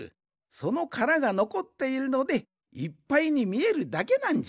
そのカラがのこっているのでいっぱいにみえるだけなんじゃ。